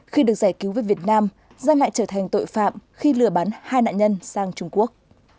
khi được giải cứu với việt nam giang lại trở thành tội phạm khi lừa bắn hai nạn nhân sang trung quốc